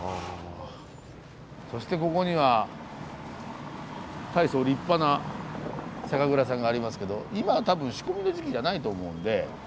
そしてここにはたいそう立派な酒蔵さんがありますけど今は多分仕込みの時期じゃないと思うんで。